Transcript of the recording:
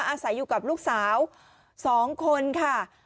อาศัยอยู่กับลูกสาว๒คนค่ะ